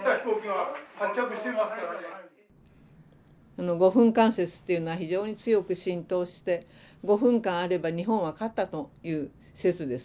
あの５分間説というのは非常に強く浸透して５分間あれば日本は勝ったという説ですね。